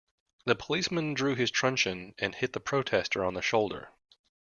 The policeman drew his truncheon, and hit the protester on the shoulder